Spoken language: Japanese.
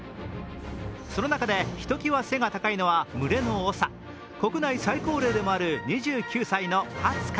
その中でひときわ背が高いのは群れの長、国内最高齢でもある２９歳のハツカ。